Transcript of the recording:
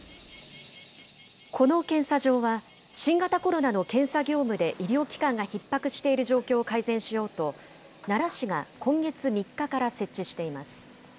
この検査場は、新型コロナの検査業務で医療機関がひっ迫している状況を改善しようと、奈良市が今月３日から設置しています。